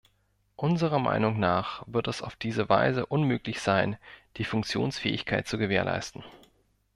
Unserer Meinung nach wird es auf diese Weise unmöglich sein, die Funktionsfähigkeit zu gewährleisten.